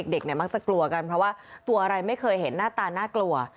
เด็กเนี่ยมักจะกลัวกันเพราะว่าตัวอะไรไม่เคยเห็นหน้าตาน่ากลัว